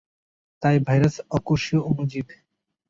তাই ভাইরাস অকোষীয় অণুজীব।